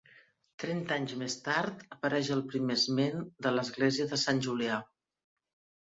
Trenta anys més tard apareix el primer esment de l'església de Sant Julià.